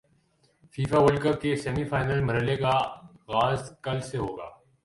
FIFA world cup کے سیمی فائنل مرحلے کا غاز کل سے ہو گا